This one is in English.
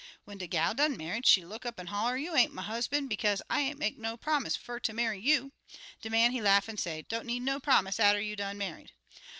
When de gal done married, she look up an' holler, 'You ain't my husban', bekaze I ain't make no promise fer ter marry you.' De man he laugh, an' say, 'Don't need no promise atter you done married.'